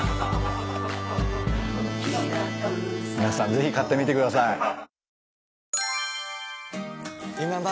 皆さんぜひ買ってみてください。